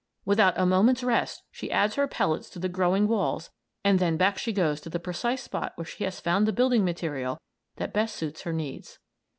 Without a moment's rest, she adds her pellets to the growing walls and then back she goes to the precise spot where she has found the building material that best suits her needs.